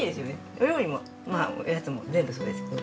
お料理もおやつも全部そうですけど。